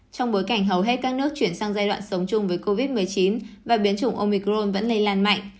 trong bối cảnh hầu hết các nước chuyển sang giai đoạn sống chung với covid một mươi chín và biến chủng omicron vẫn lây lan mạnh